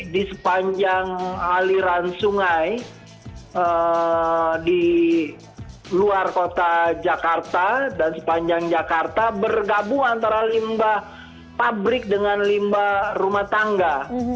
di sepanjang aliran sungai di luar kota jakarta dan sepanjang jakarta bergabung antara limbah pabrik dengan limba rumah tangga